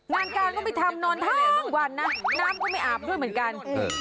นางการก็ไปทำนอนทั้งวันน้ำก็ไม่อาบด้วยเหมือนกัน